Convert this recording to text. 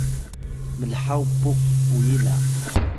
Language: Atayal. mlhaw puk uyi la